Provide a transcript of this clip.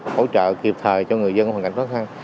hỗ trợ kịp thời cho người dân có hành khách khó khăn